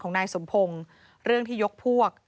ของนายสมพงเรื่องที่ยกพวก